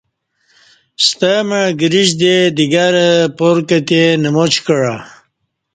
ستمع گریش دے دیگر اپار کتے نماچ کعہ